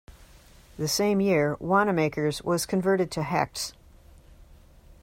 The same year, Wanamaker's was converted to Hecht's.